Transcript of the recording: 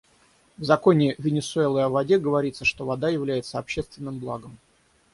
В законе Венесуэлы о воде говорится, что вода является общественным благом.